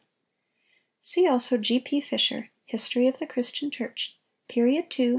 See also G.P. Fisher, "History of the Christian Church," period 2, ch.